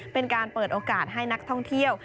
เป็นการเปิดโอกาสให้นักท่องเที่ยว